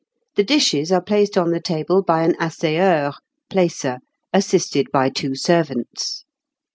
The dishes are placed on the table by an asséeur (placer), assisted by two servants.